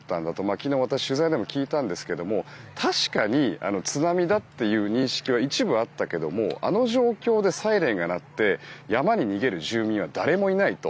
昨日、私取材でも聞いたんですけども確かに津波だという認識は一部あったけれどもあの状況でサイレンが鳴って山に逃げる住民は誰もいないと。